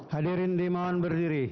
hadirin di mohon berdiri